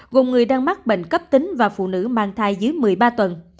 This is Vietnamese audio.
gồm người đang mắc bệnh cấp tính và phụ nữ mang thai dưới một mươi ba tuần